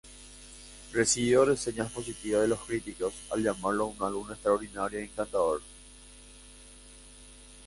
Recibió reseñas positivas de los críticos, al llamarlo un álbum extraordinario y encantador.